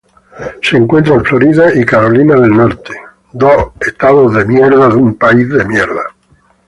Se encuentra en Florida y Carolina del Norte.